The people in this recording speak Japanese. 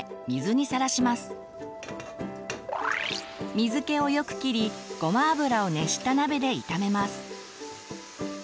水けをよくきりごま油を熱した鍋で炒めます。